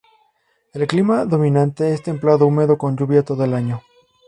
El clima dominante es templado húmedo con lluvia todo el año.